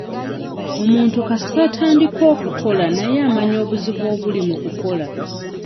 Omuntu kasita atandika okukola naye amanya obuzibu obuli mu kukola.